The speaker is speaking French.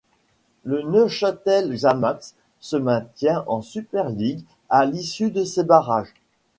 Le Neuchâtel Xamax se maintient en Super League à l'issue de ces barrages.